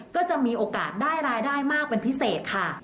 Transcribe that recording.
ก็จะมีโอกาสได้รายได้มากเป็นพิเศษค่ะ